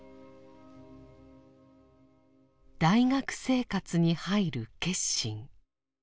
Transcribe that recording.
「大学生活に入る決心」。